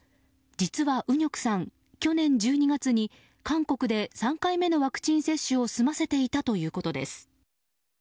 実はウニョクさん、去年１２月に韓国で３回目のワクチン接種を済ませていたということです。